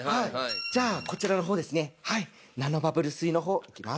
じゃあこちらの方ですねナノバブル水の方いきます。